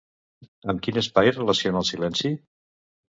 Amb quin espai relaciona el silenci?